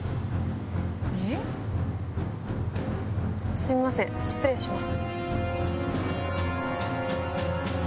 すみません失礼します。